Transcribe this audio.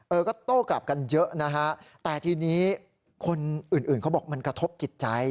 เออก็โต้กลับกันเยอะนะฮะแต่ทีนี้คนอื่นอื่นเขาบอกมันกระทบจิตใจ